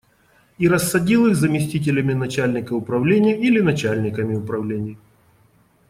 И рассадил их заместителями начальника управления или начальниками управлений.